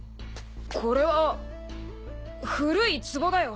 これは古いツボだよ。